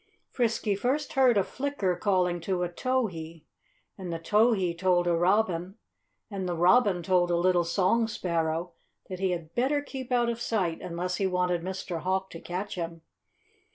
Frisky first heard a flicker calling to a towhee; and the towhee told a robin; and the robin told a little song sparrow that he had better keep out of sight unless he wanted Mr. Hawk to catch him.